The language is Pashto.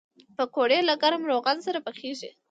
پکورې له ګرم روغن سره پخېږي